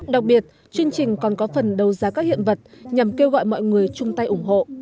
đặc biệt chương trình còn có phần đầu giá các hiện vật nhằm kêu gọi mọi người chung tay ủng hộ